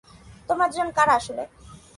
তোমরা দুজন কারা আসলে?